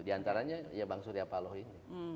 di antaranya bang syuri apaloh ini